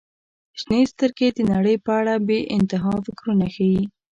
• شنې سترګې د نړۍ په اړه بې انتها فکرونه ښیي.